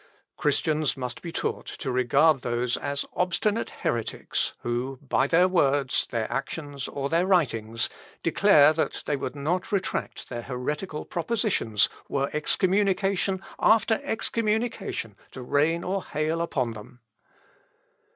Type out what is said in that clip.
"Christians must be taught to regard those as obstinate heretics, who, by their words, their actions, or their writings, declare that they would not retract their heretical propositions were excommunication after excommunication to rain or hail upon them.